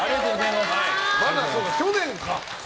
まだ去年か。